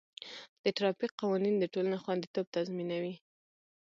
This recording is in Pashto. د ټرافیک قوانین د ټولنې خوندیتوب تضمینوي.